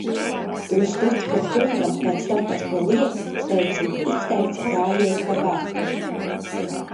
Un Stučkas kungam pēc tam par šo lietu, teiksim, izteica rājienu par vēsturi.